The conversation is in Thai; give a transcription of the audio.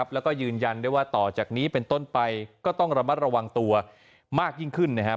แล้วก็ยืนยันได้ว่าต่อจากนี้เป็นต้นไปก็ต้องระมัดระวังตัวมากยิ่งขึ้นนะครับ